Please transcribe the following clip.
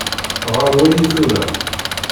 Ɣeṛ wayi tura.